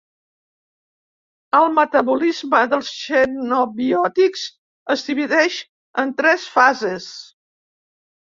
El metabolisme dels xenobiòtics es divideix en tres fases.